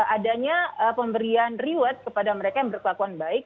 adanya pemberian reward kepada mereka yang berkelakuan baik